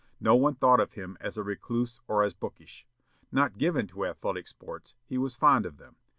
No one thought of him as a recluse or as bookish. Not given to athletic sports, he was fond of them.